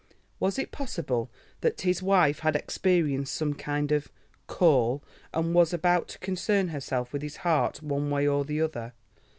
Was it possible that his wife had experienced some kind of "call," and was about to concern herself with his heart one way or the other?